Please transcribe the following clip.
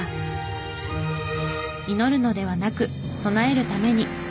祈るのではなく備えるために。